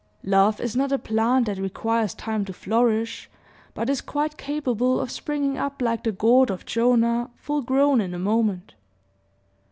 Love is not a plant that requires time to flourish, but is quite capable of springing up like the gourd of Jonah full grown in a moment.